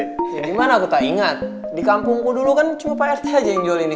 gimana kita ingat di kampungku dulu kan cuma pak rt aja yang jual ini